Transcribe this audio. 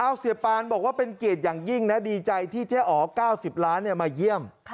เอาเสียปานบอกว่าเป็นเกียรติอย่างยิ่งนะดีใจที่เจ๊อ๋อ๙๐ล้านมาเยี่ยม